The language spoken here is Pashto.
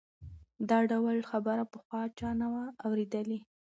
دا ډول خبره پخوا چا نه وه اورېدلې.